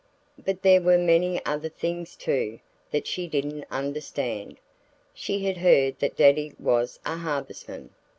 But there were many other things, too, that she didn't understand. She had heard that Daddy was a harvestman.